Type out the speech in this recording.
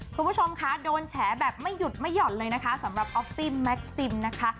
คุณผู้ชมคะโดนแฉแบบไม่หยุดไม่ห่อนเลยนะคะสำหรับออฟฟี่แม็กซิมนะคะ